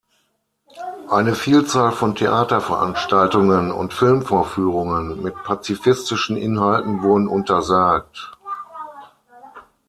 Eine Vielzahl von Theaterveranstaltungen und Filmvorführungen mit pazifistischen Inhalten wurden untersagt.